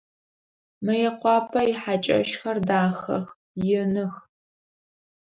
Мыекъуапэ ихьакӏэщхэр дахэх, иных.